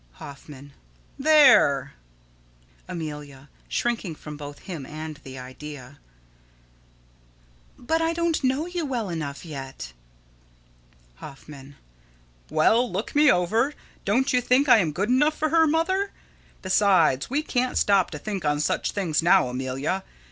Hoffman: There! Amelia: [Shrinking from both him and the idea.] But I don't know you well enough yet. Hoffman: Well, look me over. Don't you think I am good enough for her, Mother? Besides, we can't stop to think of such things now, Amelia.